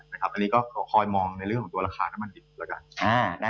อันนี้ก็ขอคอยมองในเรื่องของตัวราคาน้ำมันดิบแล้วกัน